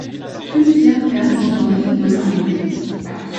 Plusieurs cas sont en effet possibles.